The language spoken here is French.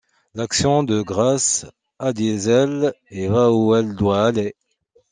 L’action de grâces a des ailes et va où elle doit aller.